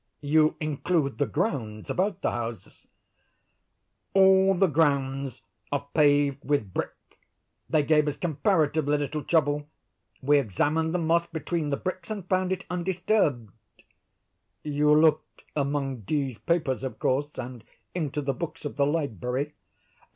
"You include the grounds about the houses?" "All the grounds are paved with brick. They gave us comparatively little trouble. We examined the moss between the bricks, and found it undisturbed." "You looked among D——'s papers, of course, and into the books of the library?"